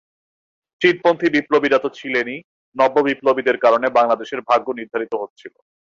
চীনপন্থী বিপ্লবীরা তো ছিলেনই, নব্য বিপ্লবীদের কারণে বাংলাদেশের ভাগ্য নির্ধারিত হচ্ছিল।